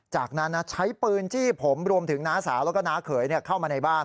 จากนั้นใช้ปืนจี้ผมรวมถึงน้าสาวแล้วก็น้าเขยเข้ามาในบ้าน